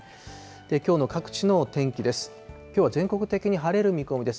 きょうの各地の天気です。